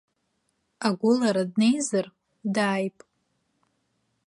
Агәылара днеизар, дааип.